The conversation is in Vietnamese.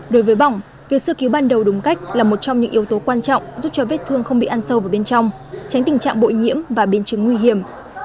đối với bỏng việc sơ cứu ban đầu đúng cách là một trong những yếu tố quan trọng giúp cho vết thương không bị ăn sâu vào bên trong tránh tình trạng bội nhiễm và biến chứng nguy hiểm